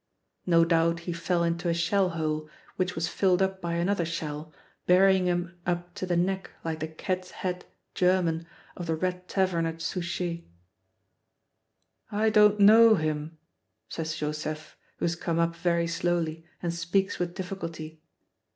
No doubt he fell into a shell hole, which was filled up by another shell, burying him up to the neck like the cat's head German of the Red Tavern at Souchez. "I don't know him," says Joseph, who has come up very slowly and speaks with difficulty.